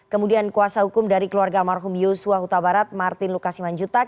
kemudian kuasa hukum dari keluarga marhum yosua huta barat martin lukasiman jutak